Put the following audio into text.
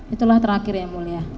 itulah terakhir yang mulia